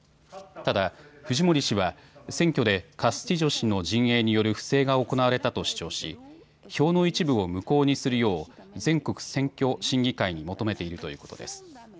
ただフジモリ氏は選挙でカスティジョ氏の陣営による不正が行われたと主張し、票の一部を無効にするよう全国選挙審議会に求めているということです。